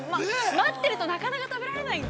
◆待ってると、なかなか食べられないので。